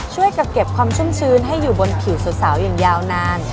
กับเก็บความชุ่มชื้นให้อยู่บนผิวสาวอย่างยาวนาน